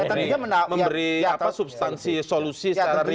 atau memberi substansi solusi secara real tadi